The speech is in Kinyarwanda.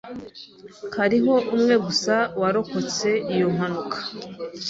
Hariho umwe gusa warokotse iyo mpanuka.